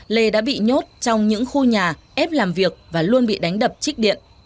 lê đã bị nhốt trong những khu nhà ép làm việc và luôn bị đánh đập trích điện